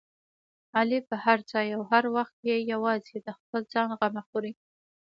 علي په هر ځای او هر وخت کې یوازې د خپل ځان غمه خوري.